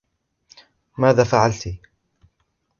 ماذا فعلتِ ؟